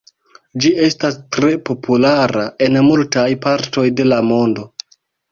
Ĝi estas tre populara en multaj partoj de la mondo.